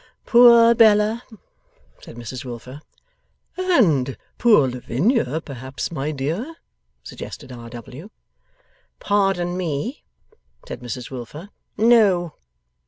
'Poor Bella!' said Mrs Wilfer. 'And poor Lavinia, perhaps, my dear?' suggested R. W. 'Pardon me,' said Mrs Wilfer, 'no!